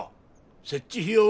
設置費用は？